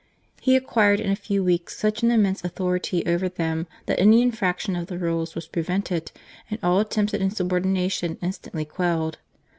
He acquired in a few weeks such an immense authority over them, that any infraction of the rules was prevented and all attempts at insubordination instantly quelled.